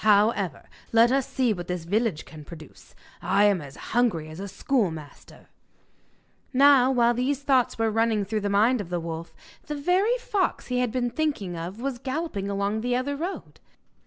However, let us see what this village can produce. I am as hungry as a schoolmaster.' Now, while these thoughts were running through the mind of the wolf, the very fox he had been thinking of was galloping along the other road.